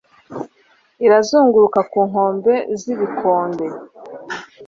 irazunguruka ku nkombe zibikombe